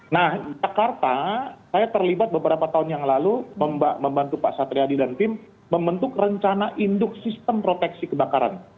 nah jakarta saya terlibat beberapa tahun yang lalu membantu pak satriadi dan tim membentuk rencana induk sistem proteksi kebakaran